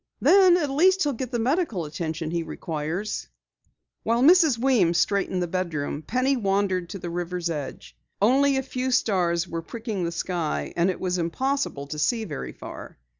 Then at least he'll get the medical attention he requires." While Mrs. Weems straightened the bedroom, she wandered to the river's edge. Only a few stars were pricking the sky, and it was impossible to see very far.